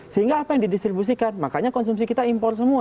sehingga apa yang didistribusikan makanya konsumsi kita impor semua